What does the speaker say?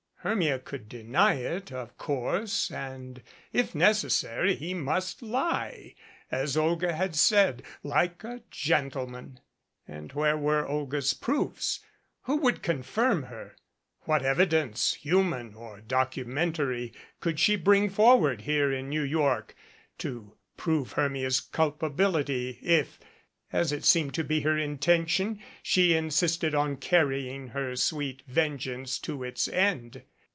Hermia could deny it, of course, and if necessary he must lie, as Olga had said, like a gentleman. And where were Olga's proofs? Who would confirm her? What evidence, human or documentary, could she bring forward here in New York to prove Hermia's culpability, if, as it seemed to be her intention, she insisted on carrying her sweet venge ance to its end?